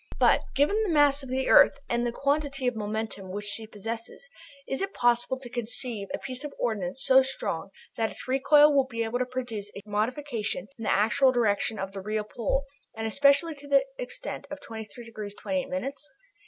But, given the mass of the earth and the quantity of momentum, which she possesses, is it possible to conceive a piece of ordnance so strong that its recoil will be able to produce a modification in the actual direction of the real pole, and especially to the extent of 23 degrees, 28 minutes?